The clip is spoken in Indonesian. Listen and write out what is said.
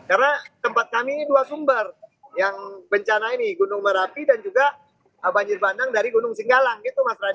karena tempat kami ini dua sumber yang bencana ini gunung merapi dan juga banjir bandang dari gunung singgalang gitu mas raditya